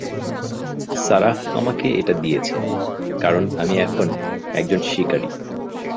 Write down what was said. Sarah আমাকে এটা দিয়েছে, কারণ আমি এখন একজন শিকারী।